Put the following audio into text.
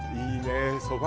いいね